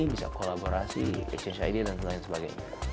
kekuasaan eksplorasi exchange idea dan lain sebagainya